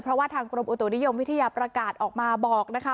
เพราะว่าทางกรมอุตุนิยมวิทยาประกาศออกมาบอกนะคะ